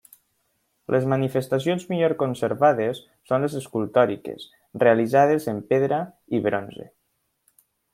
Les manifestacions millor conservades són les escultòriques, realitzades en pedra i bronze.